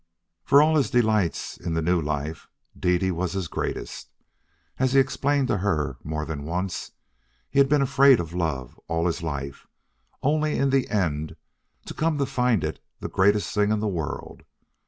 For of all his delights in the new life, Dede was his greatest. As he explained to her more than once, he had been afraid of love all his life only in the end to come to find it the greatest thing in the world.